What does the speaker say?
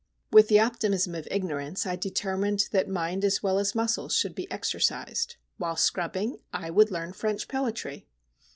With the optimism of ignorance I determined that mind as well as muscles should be exercised. While scrubbing I would learn French poetry.